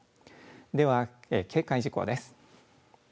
では警戒事項です。